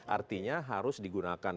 artinya harus digunakan